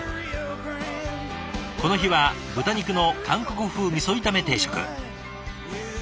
この日は豚肉の韓国風みそ炒め定食。